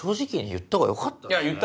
言ったほうがよかったよ。